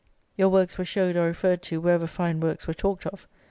Your works were showed or referred to wherever fine works were talked of.